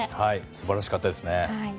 すばらしかったですね。